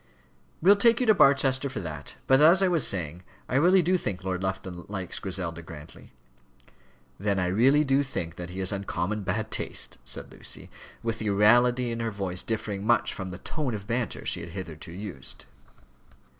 "We'll take you to Barchester for that. But as I was saying, I really do think Lord Lufton likes Griselda Grantly." "Then I really do think that he has uncommon bad taste," said Lucy, with a reality in her voice differing much from the tone of banter she had hitherto used.